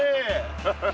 ハハハ。